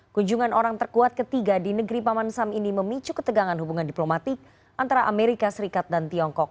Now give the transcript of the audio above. kunjungan orang terkuat ketiga di negeri paman sam ini memicu ketegangan hubungan diplomatik antara amerika serikat dan tiongkok